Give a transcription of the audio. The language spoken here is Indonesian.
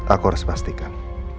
aku harus pastikan